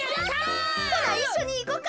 ほないっしょにいこか。